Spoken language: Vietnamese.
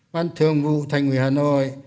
ban thường vụ thành ủy hà nội